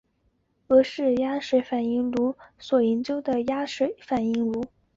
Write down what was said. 俄式压水反应炉所研发的压水反应炉。